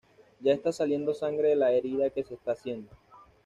Ya está saliendo sangre de la herida que se está haciendo.